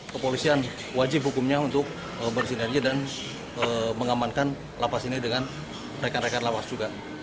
kepolisian wajib hukumnya untuk bersinergi dan mengamankan lapas ini dengan rekan rekan lapas juga